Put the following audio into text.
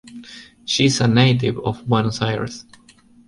She is a native of Buenos Aires.